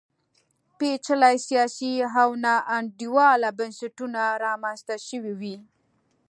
پېچلي سیاسي او ناانډوله بنسټونه رامنځته شوي وي.